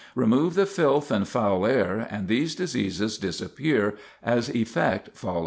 Remove the filth and foul air, and these diseases disappear as effect follows cause.